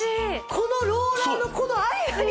このローラーのこの間に？